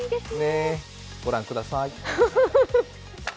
ご覧ください。